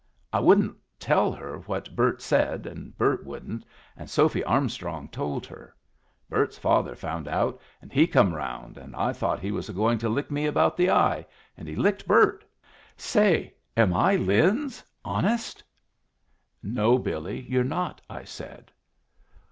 I wouldn't tell her what Bert said, and Bert wouldn't, and Sophy Armstrong told her. Bert's father found out, and he come round, and I thought he was a going to lick me about the eye, and he licked Bert! Say, am I Lin's, honest?" "No, Billy, you're not," I said.